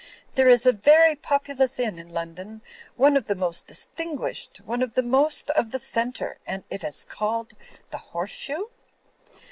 There is a vary populous Inn in London, one of the most distinguished, one of the most of the Centre, and it is called the Horseshoe?